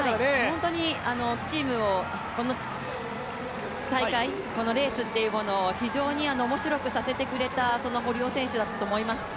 本当に大会、レースというものを非常に面白くさせてくれたその堀尾選手だったと思います。